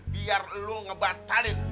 biar lu ngebatalin